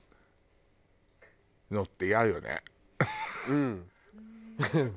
うん。